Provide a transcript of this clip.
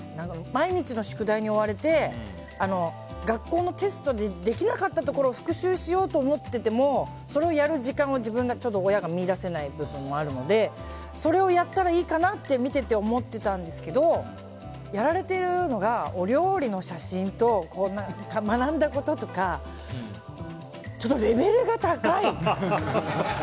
毎日の宿題に追われて学校のテストでできなかったところを復習しようと思っててもそれをやる時間を親が見いだせない部分もあるのでそれをやったらいいかなって見てて思ってたんですけどやられているのがお料理の写真とか学んだこととかちょっとレベルが高い。